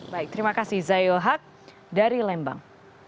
baik terima kasih zayul haq dari lembang